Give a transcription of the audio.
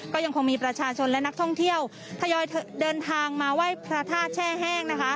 ก็ยังคงมีประชาชนและนักท่องเที่ยวทยอยเดินทางมาไหว้พระธาตุแช่แห้งนะคะ